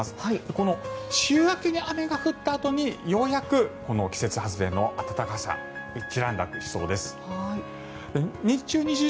この週明けに雨が降ったあとにようやく季節外れの暖かさ「ワイド！